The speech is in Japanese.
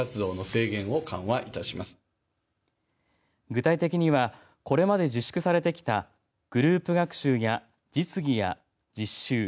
具体的にはこれまで自粛されてきたグループ学習や実技や実習